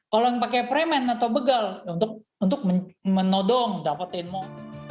kalau yang pakai premen atau begel untuk menodong dapatin nomor